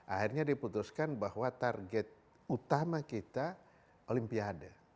akhirnya diputuskan bahwa target utama kita olimpiade